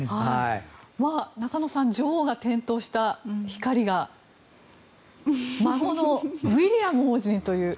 中野さん女王が点灯した光が孫のウィリアム王子にという。